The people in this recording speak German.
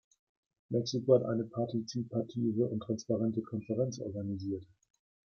Mexiko hat eine partizipative und transparente Konferenz organisiert.